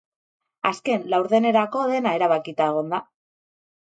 Azken laurdenerako dena erabakita egon da.